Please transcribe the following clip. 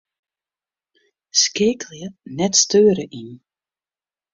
Skeakelje 'net steure' yn.